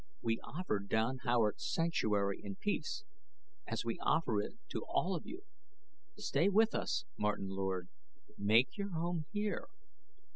We offered Don Howard sanctuary and peace as we offer it to all of you. Stay with us, Martin Lord; make your home here."